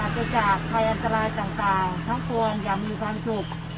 จะจากภัยอันตรายต่างทั้งปวงอย่างมีความสุข